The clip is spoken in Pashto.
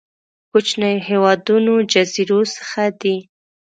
کوچنيو هېوادونو جزيرو څخه دي.